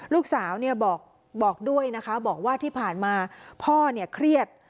ลูกสาวบอกด้วยนะคะบอกว่าที่ผ่านมาพ่อเครียด